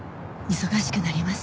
忙しくなります。